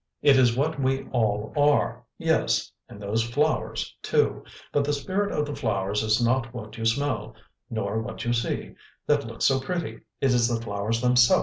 It is what we all are, yes and those flowers, too. But the spirit of the flowers is not what you smell, nor what you see, that look so pretty: it is the flowers themself!